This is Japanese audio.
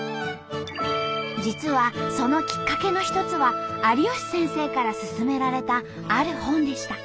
実はそのきっかけの一つは有吉先生からすすめられたある本でした。